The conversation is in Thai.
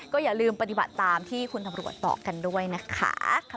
อย่าลืมปฏิบัติตามที่คุณตำรวจบอกกันด้วยนะคะ